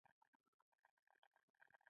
خور د ورور د کامیابۍ دعا کوي.